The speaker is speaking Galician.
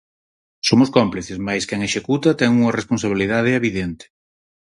Somos cómplices mais quen executa ten unha responsabilidade evidente.